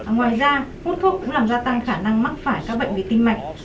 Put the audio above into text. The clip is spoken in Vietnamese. ngoài ra hút thuốc cũng làm gia tăng khả năng mắc phải các bệnh về tim mạch